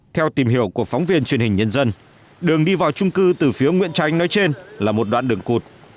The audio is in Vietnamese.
theo tìm hiểu của phóng viên truyền hình nhân dân đường đi vào trung cư từ phía nguyễn tranh nói trên là một đoạn đường cụt